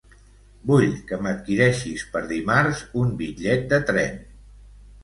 Vull que m'adquireixis per dimarts un bitllet de tren.